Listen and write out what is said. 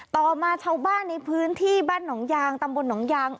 ต่อมาชาวบ้านในพื้นที่บ้านหนองยางตำบลหนองยาง